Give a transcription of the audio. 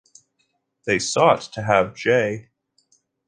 They sought to have J.